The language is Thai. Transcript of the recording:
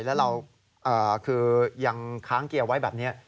แล้วเราคือยังค้างเกียร์ไว้แบบนี้